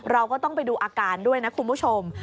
เราก็ต้องไปดูอาการด้วยนะคุณผู้ชม